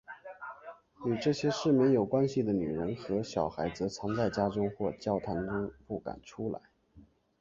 与这些市民有关系的女人和小孩则藏在家中或教堂中不敢出来。